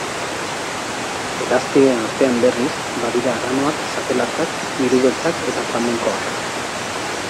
Hegaztien artean, berriz, badira arranoak, zapelatzak, miru beltzak eta flamenkoak.